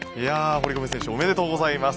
堀米選手おめでとうございます。